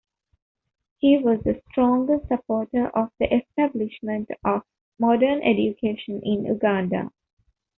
He was a strong supporter of the establishment of modern education in Uganda.